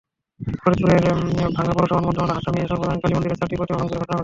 ফরিদপুরের ভাঙ্গা পৌরসভার মধ্যপাড়া হাসামদিয়া সর্বজনীন কালীমন্দিরের চারটি প্রতিমা ভাঙচুরের ঘটনা ঘটেছে।